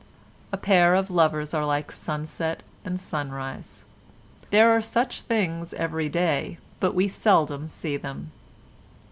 A pair of lovers are like sunset and sunrise: there are such things every day but we very seldom see them.